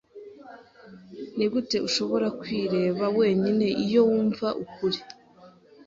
Nigute ushobora kwireba wenyine iyo wumva ukuri